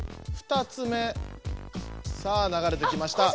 ２つ目さあ流れてきました。